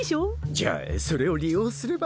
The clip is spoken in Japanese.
じゃあそれを利用すれば。